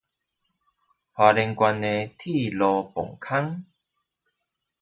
花蓮縣的鐵路隧道